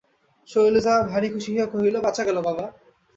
শৈলজা ভারি খুশি হইয়া কহিল, বাঁচা গেল বাবা!